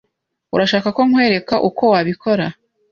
Urashaka ko nkwereka uko wabikora?